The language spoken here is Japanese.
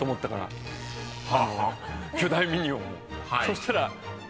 巨大ミニオンを。